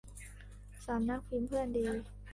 สำนักพิมพ์เพื่อนดี